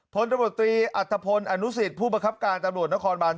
พลตมตรีอัตภพรอนุสิทธิ์ผู้บังคับการตำรวจนครบัน๒